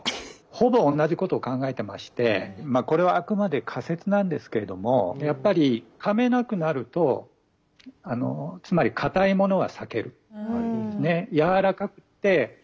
ほぼ同じことを考えてましてこれはあくまで仮説なんですけれどもやっぱりかめなくなるとつまりかたいものは避ける。